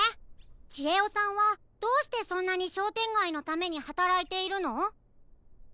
ちえおさんはどうしてそんなにしょうてんがいのためにはたらいているの？